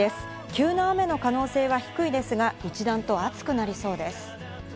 急な雨の可能性は低いですが、一段と暑くなりそうです。